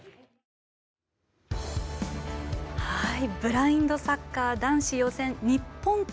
ブラインドサッカー男子予選日本対